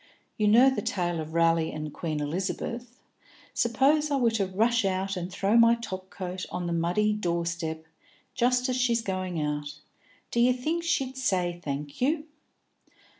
You know the tale of Raleigh and Queen Elizabeth. Suppose I were to rush out and throw my top coat on the muddy door step, just as she's going out; d'ye think she'd say thank you?"